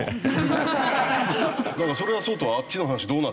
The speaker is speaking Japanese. それはそうとあっちの話どうなってる？